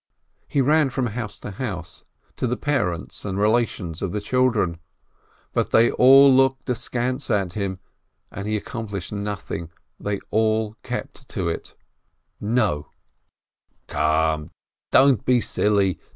He ran from house to house, to the parents and relations of the children. But they all looked askance at him, and he accomplished nothing: they all kept to it— "No I" "Come, don't be silly!